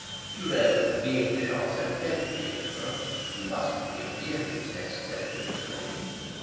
"You know, we English are so dreadfully ignorant. You must forgive me if it's necessary to explain."